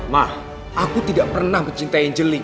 ma aku tidak pernah mencinta angelie ma